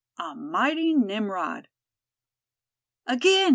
A MIGHTY NIMROD. "Again!